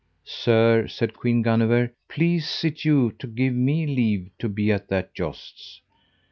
Sir, said Queen Guenever, please it you to give me leave to be at that jousts.